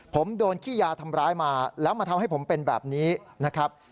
ผมโดนขี้ยาทำร้ายมาแล้วมาทำให้ผมเป็นแบบนี้นะครับ